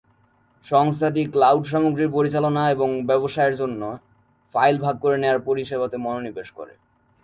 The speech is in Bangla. সংস্থাটি ক্লাউড সামগ্রীর পরিচালনা এবং ব্যবসায়ের জন্য ফাইল ভাগ করে নেওয়ার পরিষেবাতে মনোনিবেশ করে।